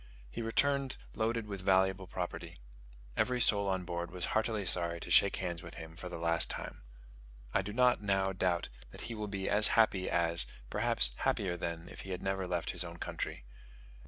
He returned loaded with valuable property. Every soul on board was heartily sorry to shake hands with him for the last time. I do not now doubt that he will be as happy as, perhaps happier than, if he had never left his own country.